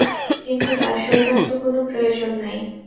কিন্তু দাস হইবার তো কোন প্রয়োজন নাই।